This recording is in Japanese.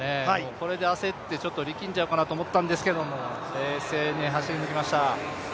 これで焦って力んじゃうかなと思ったんですけど、冷静に走りました。